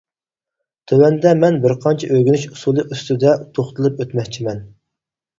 تۆۋەندە مەن بىرقانچە ئۆگىنىش ئۇسۇلى ئۈستىدە توختىلىپ ئۆتمەكچىمەن.